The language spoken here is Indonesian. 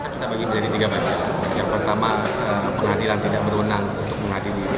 kita bagi menjadi tiga bagian yang pertama pengadilan tidak berwenang untuk mengadili